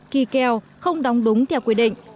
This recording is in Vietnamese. kỳ kèo không đóng đúng theo quy định